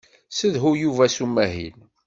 Ssedhu Yuba s umahil.